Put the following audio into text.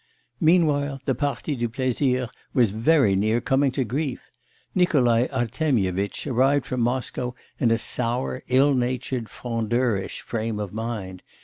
Meanwhile the partie du plaisir was very near coming to grief. Nikolai Artemyevitch arrived from Moscow in a sour, ill natured, frondeurish frame of mind.